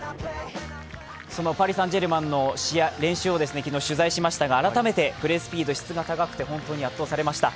そのパリ・サンジェルマンの練習を昨日、取材しましたが改めてプレー・スピードの質が高くて本当に圧倒されました。